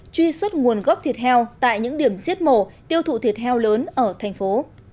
truy xuất nguồn gốc thịt heo tại những điểm giết mổ tiêu thụ thịt heo lớn ở thành phố